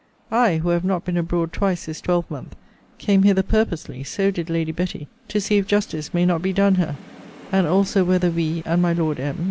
I, who have not been abroad twice this twelvemonth, came hither purposely, so did Lady Betty, to see if justice may not be done her; and also whether we, and my Lord M.